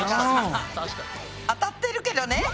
当たってるけどね。